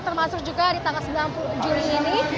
termasuk juga di tanggal sembilan puluh juli ini